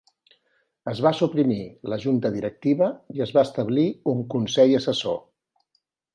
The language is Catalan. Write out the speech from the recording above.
Es va suprimir la junta directiva i es va establir un consell assessor.